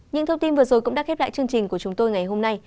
những thông tin vừa rồi cũng đã khép lại chương trình của chúng tôi ngày hôm nay